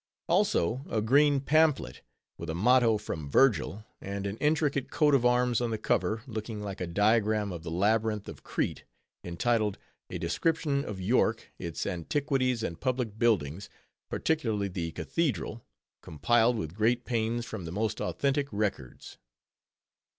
Also a green pamphlet, with a motto from Virgil, and an intricate coat of arms on the cover, looking like a diagram of the Labyrinth of Crete, entitled, "A _Description of York, its Antiquities and Public Buildings, particularly the Cathedral; compiled with great pains from the most authentic records."